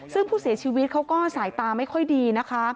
ซึ่งผู้เสียชีวิตเขาก็สายตาไม่ค่อยดีนะคะ